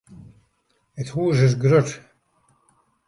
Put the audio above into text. It hûs is grut.